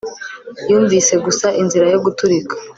Yumvise gusa inzira yo guturika